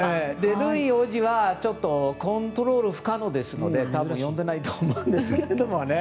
ルイ王子はちょっとコントロール不可能ですので多分、呼んでいないと思うんですけれどもね。